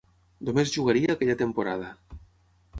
Només jugaria aquella temporada.